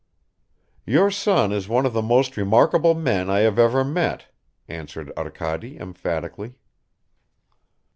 "Your son is one of the most remarkable men I have ever met," answered Arkady emphatically.